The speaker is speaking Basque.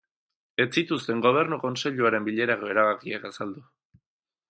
Ez zituzten gobernu kontseiluaren bilerako erabakiak azaldu.